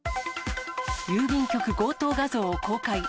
郵便局強盗画像を公開。